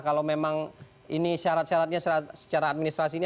kalau memang ini syarat syaratnya secara administrasi ini